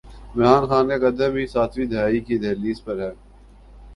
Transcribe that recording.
عمران خان کا قدم بھی ساتویں دھائی کی دہلیز پر ہے۔